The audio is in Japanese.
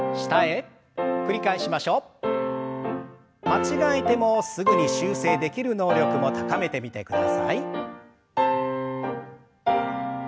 間違えてもすぐに修正できる能力も高めてみてください。